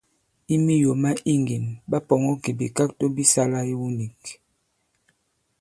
I miyò ma iŋgìn, ɓa pɔ̀ŋɔ kì bìkakto bi sālā iwu nīk.